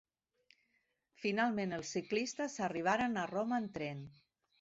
Finalment els ciclistes arribaren a Roma en tren.